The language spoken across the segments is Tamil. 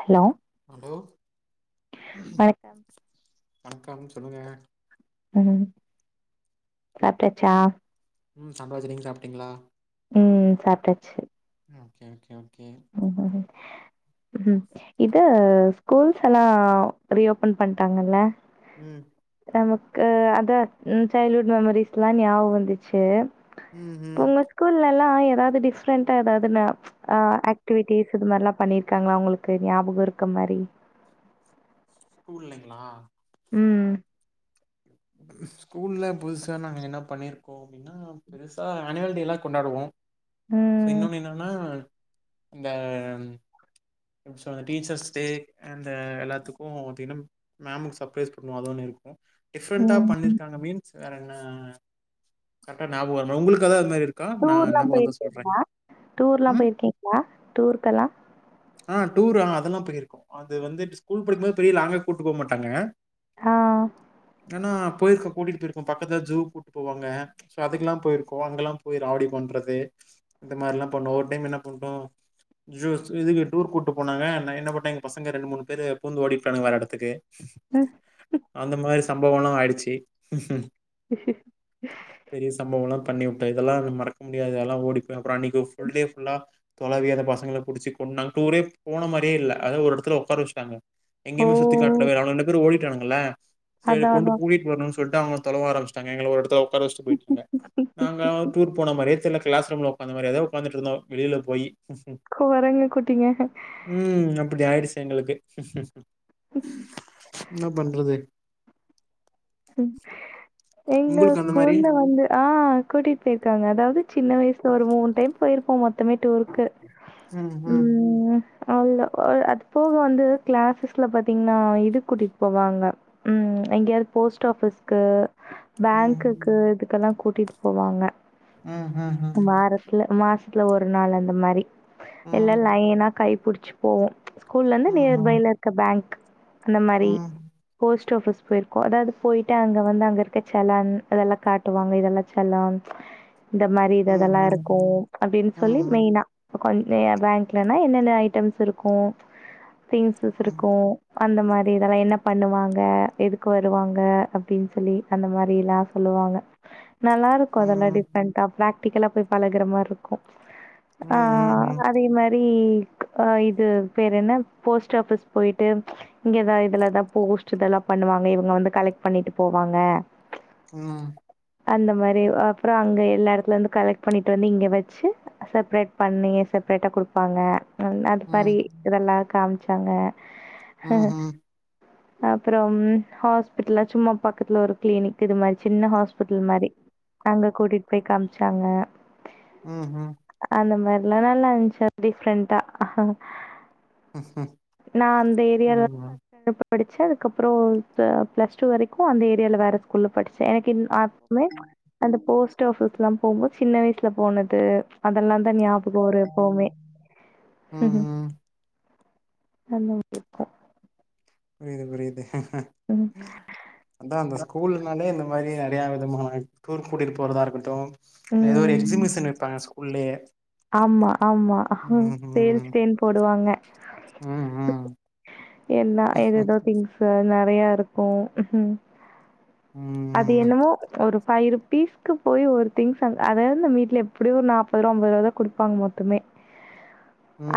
ஹலோ ஹலோ வணக்கம் வணக்கம் சொல்லுங்க ம் சாப்ட்டாச்சா ம் சாப்ட்டச்சி நீங்க சாப்ட்டீங்களா ம் சாப்ட்டாச்சி ஓகே ஓகே ஓ ஹ ஹ [inaudible] ஹம் இதோ ஸ்கூல்ஸ்ல்லா ரீஓபன் பண்ட்டாங்கல ம் நமக்கு அத ம் சைல்டுஹுட் மெமரிஸ்லா ஞாபம் வந்துச்சி ம் ம் எல்லா ஏதாது டிஃரன்டா எதாவதுனா ஆ டிவிட்டிஸ் இது மாரில்லா பண்ணிருக்காங்களா உங்களுக்கு ஞாபகம் இருக்க மாரி ஸ்கூல்லைங்களா ம் ஸ்கூல்ல புதுசா நாங்க என்ன பண்ணிருக்கோ அப்பிடின்னா பெருசா ஆனுவல் டேல்லா கொண்டாடுவோ சோ ம் இன்னொன்னு என்னன்னா இந்த அ சோ இந்த டீச்சர்ஸ் டே அண்ட எல்லாத்துக்கு தினம் மேமுக்கு சர்பரைஸ் பண்ணுவு அது ஒன்னு இருக்கு டிஃப்ரண்ட்டா ம் பண்ணிருக்காங்க மீன்ஸ் வேற அ கர்டா ஞாபக வரல உங்களுக்கு ஏதே அது மாரி இருக் டூர்ல்லா போயிருக்கீங்களா டூர்ல்லா ம் போயிருக்கீங்களா டூருக்கெல்லா ஆ டூர் ஆ அதெல்லா போயிருகோ அது வந்து ஸ்கூல் இப்ப படிக்கும்போது பெரிய லாங்கா கூட்டு போ மாட்டாங்க ஆ ஆனா போயிருக்கோ கூட்டிகிட்டு போயிருக்கோ பக்கத்தில் ஜூ கூப்டு போவாங்க சோ அதுக்கெலா போயிருக்கோ அங்கெலா போயி ராவடி பண்ணுறது இந்த மாரிலா பண்ணோ ஒரு டைம் என்ன பண்ணிட்டோ ஜூஸ் இதுக்கு டூர் கூட்டு போனாங்க ஆனா என்ன பண்ணிடாங்க பசங்க ரெண்டு மூணு பேரு பூந்து ஓடிபுட்னான்க வற இடத்துக்கு ம் அந்த மாரி சம்பவம்லா ஆயிடுச்சு பெரிய சம்பவலா கண்டிப்பா இதெல்லா மறக்க முடியாது அதலா ஓடி போய் அப்புறோ அன்க்கு புல்டே புல்லா தொலவி அந்த பசங்கல புடிட்சி ஒரு நாள் டூரே போன மாரியே இல்ல அதாவது ஒரு இடத்துல உக்கார வச்டாங்க ஓ எங்கயுமே சுத்தி காட்ட வே ரெண்டு பேரு ஓடி விட்டானுங்க இல்ல தேடி அதா கொண்டு அதா கூட்டிட்டு வரணு சொல்லிட்டாங்க தொலவ ஆரம்பச்சாங்கங்க எங்கள ஒரடத்துல உக்கார வச்சிடு போயிடாங்க நாங்க டூர் போன மாரியே தெரில கிளஸ் ரூமல உக்காந்த மாரியே உக்காந்துடு இருந்தோ வெளிய போய் ஸ்உம் ங்க குட்டிங்க ஆயிடுச்சு எங்களுக்கு என்ன பண்றது ம் எங்க உங்களுக்கு அந்த மாரி ஸ்கூல்லல வந்து ஆ கூட்டிட்டு போயிருக்காங்க அதாவது சின்ன வயசுல ஒரு மூணு டைம் போயிருப்போ மொத் மொத்தமே டூக்கு ம் அல்ல அ அது போக வந்து கிளாஸஸ்ல பாத்தீங்கன்னா இது கூட்டிகிட்டு போவாங்க ம் எங்கவு போஸ்ட் ஆஃபிஸ்க்கு ம் பேங்க்குக்கு இதுக்கெல்லா கூட் கூட்டிட்டு போவாங்க ம் ம் ம் வாரத்துல மாசத்துல ஒரு நாள் அந்த மாரி எல்ல ம் லைனா கை பிடிச்சி போவோ ஸ்கூல்ல இருந்து ம் நியர்பைல இருக்க பேங்க் அந்த மாரி ம் போஸ் சோஃபஸ் போயிரு அதாவுது போயிட்டு அங்க வந்து அங்க இருக்க செலான் அதெல்லா காட்டுவாங்க இதெல்லா செலான் இந்த மாரி ம் இததெல்லா ம் இருக்கு அப்டின் ம் சொல்லி ம் மெயினா கொஞ் எ பேங்க்லனா என்னென்ன ஐட்டம்ஸ் இருக்கு திங்ஸஸ் ம் இருக்கு அந்த மாரி இதல்லா என்ன பண்ணுவாங்க எது கு‌ வருவாங்க அப்டின் சொல்லி அந்த மாரிலா சொல்லுவாங்க நல்லாருக்கு அதல்லா ம் டிஃப்ரெண்டா ப்ராக் ட்டிக்கெலா போய் பழகுற மாருக்கு ம் ஆ ம் அதே மாரி [unintelligible] ஆ இது பேரென்ன போஸ்ட் ஆஃபிஸ் போயிட்டு இங்கதா இதுலதா போஸ்ட் இதெல்லா பண்ணுவா ங்க‌ இவுங்க வந்து கலெக்ட் பண்ணிட்டு போவாங்க ம் அந்த மாரி அப்றொ அங்க எல்லா எடத்துலந்து கலெக்ட் பண்ணிட்டு வந்து இங்க வச்சு செப்ரேட் பண்ணி செப்ரேட்டா குடுப்பாங்க நல்ல அது மாரி இதெல்லா காம்ச்சாங்க ம்ஹும் அப்றம் ஹாஸ்பிட்டல்ல சும்மா பக்கத்துல ஒரு கிளினிக் இது மாரி சின்ன ஹாஸ்பிட்டல் மாரி அங்க கூட்டிட் போய் காம்ச்சாங்க ம்ஹும் அந்த மார்லா நல்லா இருன்ச்சு டிஃப்ரெண்டா நா அந்த ஏரியால தா ஃபஸ்ட் ஸ்டான்டட் படுச்சு அதுக்கப்றொ பிளஸ் டூ வரைக்கு அந்த ஏரியால வேற ஸ்கூல்ல படிச்சே எனக்கு இன் அப்மே அந்த போஸ்ட் ஆஃபிஸ்லா போம்போது சின்ன வயசுல போனது அதெல்லாந்தா ஞாபகொ வரு எப்பவுமே ம் ம்ஹும். ம் [unintelligible] புரியிது புரியிது ம். அதா அந்த ஸ்கூல்னாலே இந்த மாரி அ றையா விதமான டூருக் கூட்டிட்டு போறதா இருக்கட்டு இல்ல எதோ ஒரு ம். எக்ஸிபிஸன் வைப்பாங்க ஸ்கூல்லயே ஆமா ஆமா ம் ம் சேல்ஸ் டேன் போடுவாங்க ம் ம் என்னா ஏதேதோ திங்ஸு னா நெறையா இருக்கும் ம் அது என்னமோ ஒரு ஃபைவ் ருபீஸ்க்கு போய் ஒரு திங்ஸ் அதாவது இந்த வீட்ல எப்படியோ ஒரு நாப்பது ரூபா ஐம்பது ரூபா தான் கொடுப்பாங்க மொத்தமே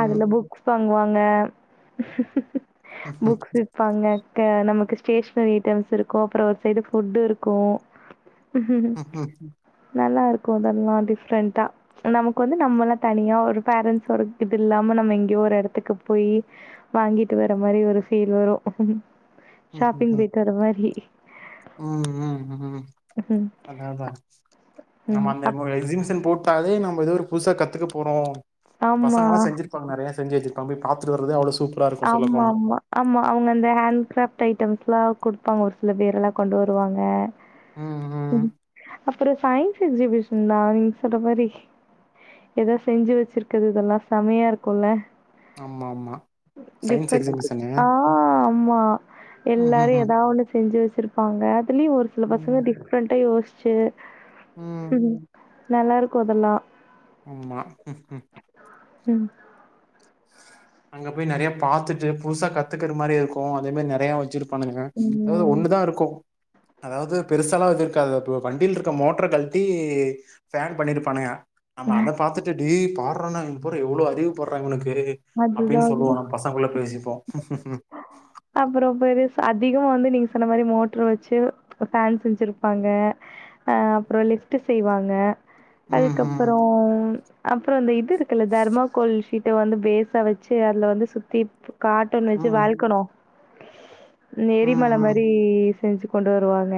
அதுல புக் ப வாங்க புக்ஸ் இருப்பாங்க நமக்கு ஸ்டேஷ்னரி ஐட்டம்ஸ் இருக்கும் அப்புறம் ஒரு சை ஃபுட்டு இருக்கும் [unintelligible] நல்லா இருக்கும் அதெல்லாம் டிஃப்ரெண்டா நமக்கு வந்து நம்ம எல்லாம் தனியா ஒரு பரண்ட்ஸ்சோட இது இல்லாம நம்ம எங்கேயோ ஒரு இடத்துக்கு போய் வாங்கிட்டு வர மாதிரி ஒரு ஃபீல் வரும் ஷாப்பிங்கு போய்ட்டு வர மாதிரி உம் உம் உ உ ம் அத அதான் நம்ம ம் அந்த அப் எக்ஸிபிஷன் போட்டு அதே நம்ம ஏதோ ஒரு புதுசா கத்துக்க போறோம் ஆமா பசங்க எல்லாம் செஞ்சிருப்பாங்க நிறைய செஞ்சு போய் பா்த்தட்டு வறது அவ்ளோ சூப்பரா இருக்கு சொல்ல ஆமா போனா ஆமா ஆமா அவங்க அந்த ஹேண்ட் கிராப் ஐட்டம்ஸ் எல்லாம் கொடுப்பாங்க ஒரு சில பேர் எல்லாம் கொண்டு வருவாங்க ம் ம் செரி அப்புறம் சயின்ஸ் எக்ஸிபிஷன் தான் நீங்க சொல்ற மாதிரி ஏதோ செஞ்சு வச்சிருக்கது இதெல்லாம் செமையா இருக்கும்ல்ல ஆமா ஆமா சயின்ஸ் எக்ஸிபிஷனு ஆஹ் ஆமா ம் ம் எல்லாரும் ம் ஏதாவ ஒண்ணு செஞ்சு வச்சிருப்பாங்க அதுலயும் ஒரு சில பசங்க டிப்ரெண்டா யோசி சேரி உஹம் நல்லாயிருக்கும் அதெல்லாம் ஆமா உம் அங்க போய் நெறைய பாத்துட்டு புதுசா கத்துக்கற மாதிரி இருக்கும் அதே மாதிரி நெறைய வச்சிரு பண்ணுங்க அதாவது ம். ஒண்ணுதான் இருக்கும் அதாவது பெருசாலாம் இது இருக்காது இப்ப வண்டியில இருக்க மோட்டரை கழட்டி ஃபேங் பண்ணிருப்பானுங்க ஆமா அத பாத்துட்டு டே பாருடா க்குற எவ்வளவு அறிவுபாராங்க து அப்டின்னு அதுதான் சொல்லுவோ அதுதான். நம் பசங்கள்ள பேசிப்போ அதிகமாக வந்து நீங்க சொன்ன மாரி மோட்ரு வச்சு ஃபேன் செஞ்சுருப்பாங்க அ அப்புற லிஃப்ட்டு செய்வாங்க ம் ம் அதுக்கப்புறம் அப்புற இந்த இது இருக்குல தெர்மாகோல்ஷீட்ட வந்து பேஸ் வச்சு அதுல வந்து சுத்தி காட்டன் வச்சு ம் வழ்க்கணு த ம் எரிமலை ம் மாரி ஸ் செஞ்சு கொண்டு வருவாங்க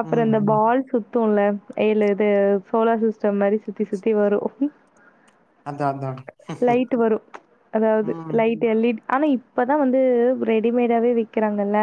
அப்புற ம் இந்த ம் பால் சுத் சுத்துல ஏழு இது சோலார் சிஸ்டம் மாரி சுத்தி சுத்தி வரு அங்க அங்க அங் ம் லைட் வரு ம் அதாவது லைட் எல்இ ஆனா இப்பதா வந்து ரெடிமேடாவே விக்கிறாங்கல்ல